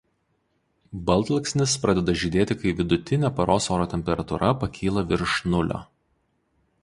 Baltalksnis pradeda žydėti kai vidutinė paros oro temperatūra pakyla virš nulio.